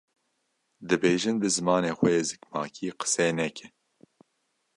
dibêjin bi zimanê xwe yê zikmakî qise neke?